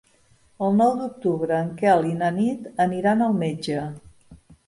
El nou d'octubre en Quel i na Nit aniran al metge.